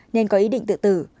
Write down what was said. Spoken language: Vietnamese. nên có ý định tự tử